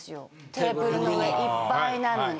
テーブルの上いっぱいなのに。